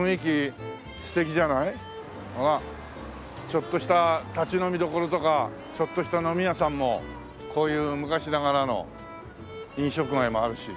ちょっとした立ち飲みどころとかちょっとした飲み屋さんもこういう昔ながらの飲食街もあるし。